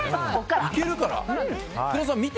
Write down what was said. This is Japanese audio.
いけるから。